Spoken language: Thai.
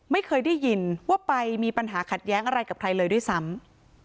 ไม่เคยได้ยินว่าไปมีปัญหาขัดแย้งอะไรกับใครเลยด้วยซ้ำ